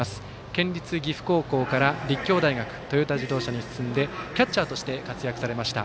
県立岐阜高校から立教大学トヨタ自動車に進んでキャッチャーとして活躍されました。